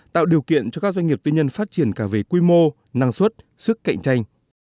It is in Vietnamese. tạo điều kiện cho các doanh nghiệp tư nhân phát triển cả về quy mô năng suất sức cạnh tranh